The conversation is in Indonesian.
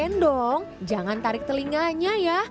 endong jangan tarik telinganya ya